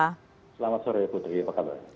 selamat sore putri apa kabar